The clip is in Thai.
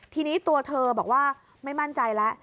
ทีนี้ตัวเธอบอกว่าไม่มั่นใจแล้ว